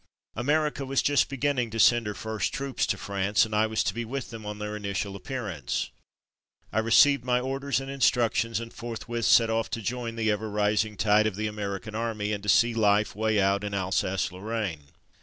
America was just beginning to send her first troops to France, and I was to be with them on their initial appearance. 254 From Mud to Mufti I received my orders and instructions, and forthwith set off to join the ever rising tide of the American Army, and to see Hfe way out in Alsace Lorraine.